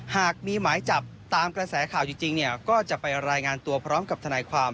หากมีหมายจับตามกระแสข่าวจริงเนี่ยก็จะไปรายงานตัวพร้อมกับทนายความ